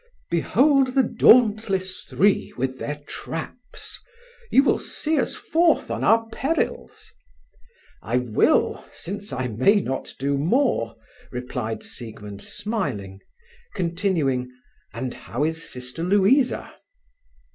"Behold the dauntless three, with their traps! You will see us forth on our perils?" "I will, since I may not do more," replied Siegmund, smiling, continuing: "And how is Sister Louisa?"